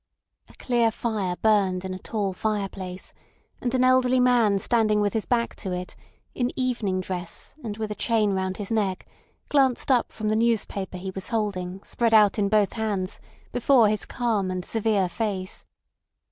A clear fire burned in a tall fireplace, and an elderly man standing with his back to it, in evening dress and with a chain round his neck, glanced up from the newspaper he was holding spread out in both hands before his calm and severe face.